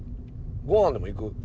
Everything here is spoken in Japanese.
ごはんでも行く？